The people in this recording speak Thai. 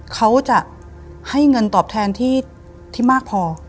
เขาจะให้เงินตอบแทนที่มากพอ